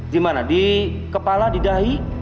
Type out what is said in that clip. di mana di kepala di dahi